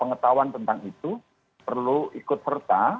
pengetahuan tentang itu perlu ikut serta